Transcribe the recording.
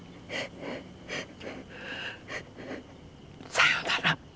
さようなら。